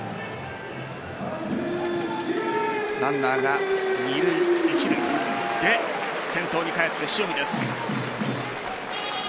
ランナーが二塁・一塁で先頭に返って塩見です。